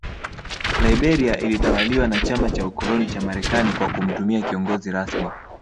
Liberia ilitawaliwa na Chama cha Ukoloni cha Marekani kwa kumtumia kiongozi rasmi